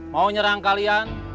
mau nyerang kalian